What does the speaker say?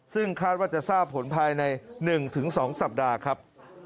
ซึ่งคาดว่าจะทราบผลภายใน๑๒สัปดาห์ครับ